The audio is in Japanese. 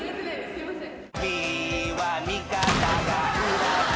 すいません。